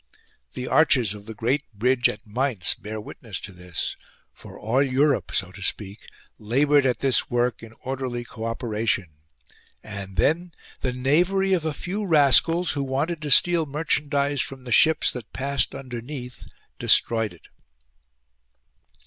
The arches of the great bridge at Mainz bear witness to this ; for all Europe, so to speak, laboured at this work in orderly co operation, and then the knavery of a few rascals, who wanted to steal merchandise from the ships that passed under neath, destroyed it.